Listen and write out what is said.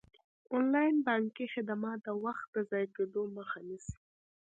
انلاین بانکي خدمات د وخت د ضایع کیدو مخه نیسي.